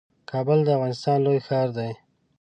کابل د افغانستان لوی ښار دئ